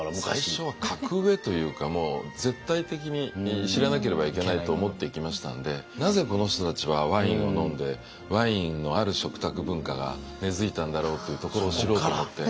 最初は格上というかもう絶対的に知らなければいけないと思って行きましたんでなぜこの人たちはワインを飲んでワインのある食卓文化が根づいたんだろうっていうところを知ろうと思って。